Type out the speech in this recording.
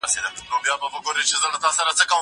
زه اجازه لرم چي کالي پرېولم!!